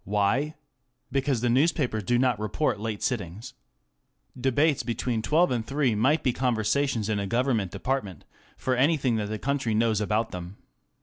Why ? Because the newspapers do not report late sittings. Debates between twelve and three might be conversations in a Government department for anything that the country knows about them.